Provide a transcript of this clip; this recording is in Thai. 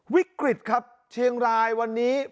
วิกฤตครับเชียงรายวันนี้